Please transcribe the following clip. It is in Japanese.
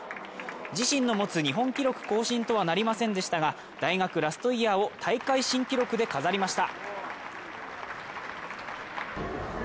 自身の持つ日本記録更新とはなりませんでしたが、大学ラストイヤーを大会新記録で飾りました。